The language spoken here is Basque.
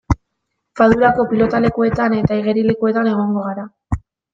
Fadurako pilotalekuetan eta igerilekuetan egongo gara.